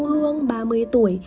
hương ba mươi tuổi